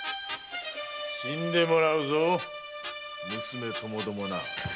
死んでもらうぞ娘ともどもな。